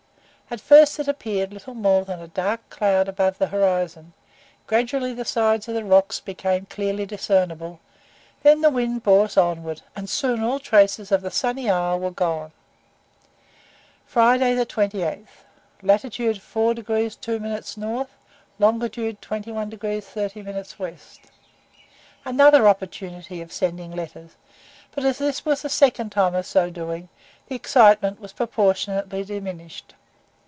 At first it appeared little more than a dark cloud above the horizon; gradually the sides of the rocks became clearly discernible, then the wind bore us onward, and soon all traces of the sunny isle were gone. FRIDAY, 28, lat. 4 degrees 2 minutes N., long. 21 degrees 30 minutes W. Another opportunity of sending letters, but as this was the second time of so doing, the excitement was proportionately diminished.